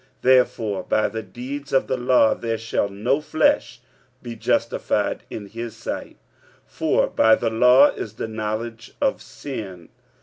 45:003:020 Therefore by the deeds of the law there shall no flesh be justified in his sight: for by the law is the knowledge of sin.